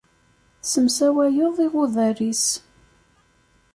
Tessemsawayeḍ iɣudar-is.